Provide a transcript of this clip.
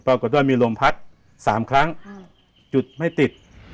ปรากฏว่ามีลมพัด๓ครั้งจุดไม่ติด